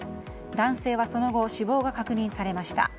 男性はその後、死亡が確認されました。